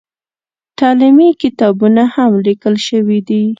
تعلیمي کتابونه هم لیکل شوي دي.